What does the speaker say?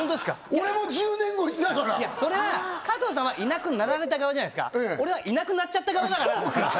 俺も１０年越しだからいやそれは加藤さんはいなくなられた側じゃないすか俺はいなくなっちゃった側だからそうか！